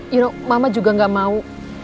you know mama juga gak mau